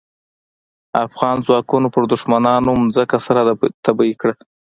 افغان ځواکونو پر دوښمنانو ځمکه سره تبۍ کړه.